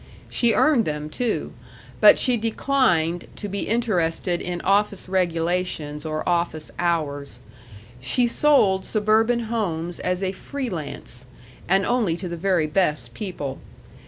She earned them, too; but she declined to be interested in office regulations or office hours. She sold suburban homes as a free lance, and only to the very best people.